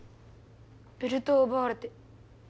ベルトをうばわれて。